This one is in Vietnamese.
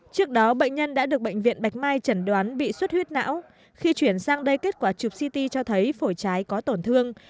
trước đó bệnh nhân đã được bệnh viện bạch mai chẩn đoán bị suất huyết não khi chuyển sang đây kết quả chụp ct cho thấy phổi trái có tổn thương